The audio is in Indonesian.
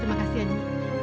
terima kasih ani